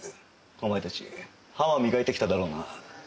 お前たち歯は磨いてきただろうな？